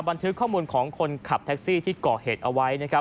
บันทึข้อมูลของคนขับแท็กซี่ที่เกาะเฮตเอาไว้